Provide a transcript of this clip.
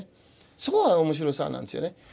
そこが面白さなんですよね。